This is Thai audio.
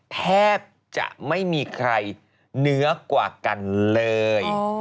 แทบจะไม่มีใครเนื้อกว่ากันเลย